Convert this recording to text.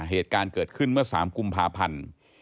เหตุการณ์เกิดขึ้นเมื่อ๓กุมภาพันธ์